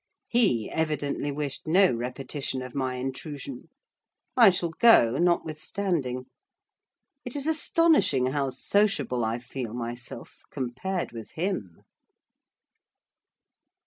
He evidently wished no repetition of my intrusion. I shall go, notwithstanding. It is astonishing how sociable I feel myself compared with him.